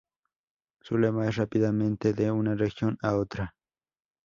Su lema es "Rápidamente de una región a otra".